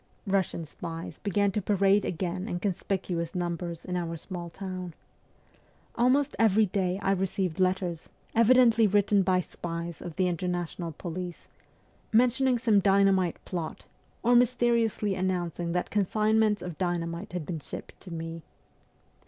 Russian spies began to parade again in conspicuous numbers in our small town. Almost every day I received letters, evidently written by spies of the international police, mentioning some dynamite plot, or mysteriously an nouncing that consignments of dynamite had been shipped to me.